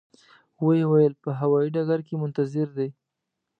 و یې ویل په هوایي ډګر کې منتظر دي.